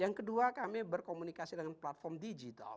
yang kedua kami berkomunikasi dengan platform digital